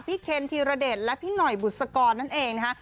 เคนธีรเดชและพี่หน่อยบุษกรนั่นเองนะคะ